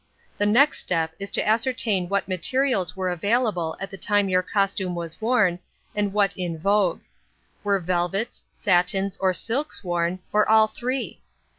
The next step is to ascertain what materials were available at the time your costume was worn and what in vogue. Were velvets, satins or silks worn, or all three?